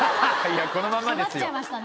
いやこのままですよ。